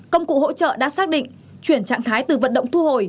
công cụ hỗ trợ đã xác định chuyển trạng thái từ vận động thu hồi